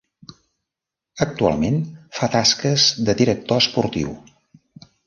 Actualment fa tasques de director esportiu.